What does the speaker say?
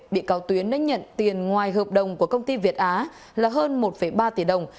bị cáo tuyến đánh nhận tiền ngoài hợp đồng của công ty việt á là hơn một ba tỷ đồng